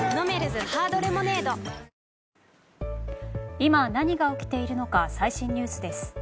今何が起きているのか最新ニュースです。